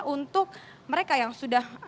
untuk mereka yang sudah